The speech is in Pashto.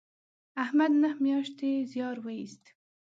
احمد نهه میاشتې زیار و ایست